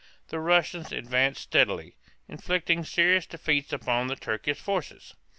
The Russians advanced steadily, inflicting serious defeats upon the Turkish forces.